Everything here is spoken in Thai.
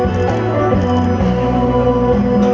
สวัสดี